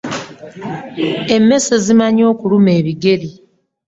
Emmese zimanyi okuluma ebigere.